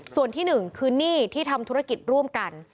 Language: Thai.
ส่วนที่หนึ่งคือหนี้ที่ทำธุรกิจร่วมกัน